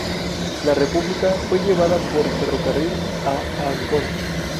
La "República" fue llevada por ferrocarril a Ancón.